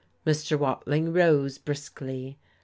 Mr. Watling rose briskly.